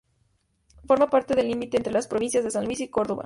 Forma parte del límite entre las provincias de San luis y Córdoba.